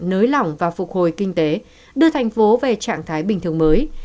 nới lỏng và phục hồi kinh tế đưa thành phố về trạng thái bình thường mới